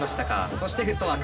そしてフットワーク。